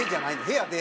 部屋で。